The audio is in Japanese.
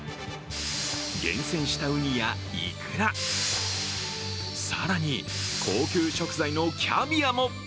厳選したうにやいくら、更に高級食材のキャビアも。